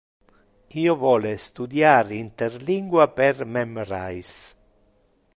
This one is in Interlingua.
Io vole studiar interlingua per Memrise